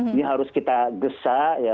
ini harus kita gesa